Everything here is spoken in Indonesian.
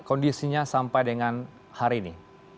kondisinya sampai dengan hari ini